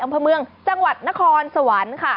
อังพะเมืองจังหวัดนครสวรรค์